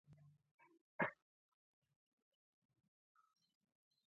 • بخار، برېښنا او نورو ځواکونو اغېز وکړ.